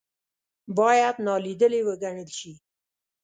باید نا لیدلې وګڼل شي.